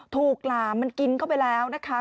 หลามมันกินเข้าไปแล้วนะคะ